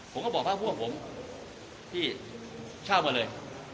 ผมก็บอกพักพวกผมที่เช่ามาเลย